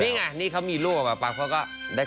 นี่ไงนี่เค้ามีลูกอ่ะป่ะเพราะก็ได้โหดขนาด